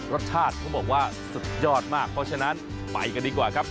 รสชาติเขาบอกว่าสุดยอดมากเพราะฉะนั้นไปกันดีกว่าครับ